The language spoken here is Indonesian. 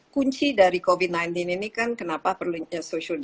kunci dari covid sembilan belas ini kan kenapa perlunya